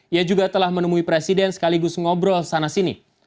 ia juga telah menemui presiden sekaligus ngobrol sana sini